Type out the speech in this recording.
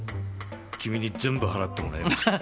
君に全部払ってもらいますよ。